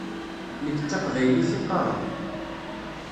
Nekk d taqbaylit i qqaṛeɣ.